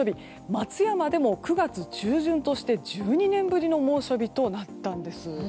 松山でも９月中旬として１２年ぶりの猛暑日となったんです。